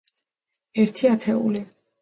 ერთი ათეული.